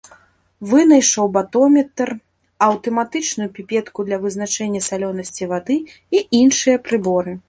Вынайшаў батометр, аўтаматычную піпетку для вызначэння салёнасці вады і іншыя прыборы.